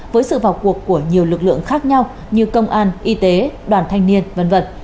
với sự vào cuộc của nhiều lực lượng khác nhau như công an y tế đoàn thanh niên v v